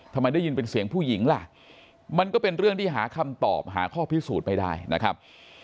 ทำไมได้ยินเป็นเสียงผู้หญิงล่ะมันก็เป็นเรื่องที่หาคำตอบหาข้อพิสูจน์ไม่ได้นะครับ